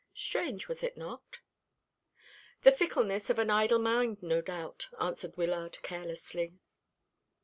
Strange, was it not?" "The fickleness of an idle mind, no doubt," answered Wyllard carelessly.